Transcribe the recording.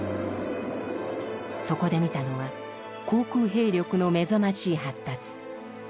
そこで見たのは航空兵力の目覚ましい発達。